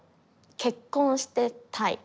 結婚してたい。